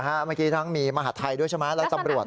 เมื่อกี้ทั้งมีมหาดไทยด้วยใช่ไหมและตำรวจ